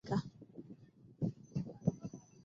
Mlima huu ni wa tano kwa urefu katika bara la Afrika